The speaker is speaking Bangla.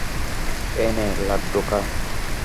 এই নে, লাড্ডু খা।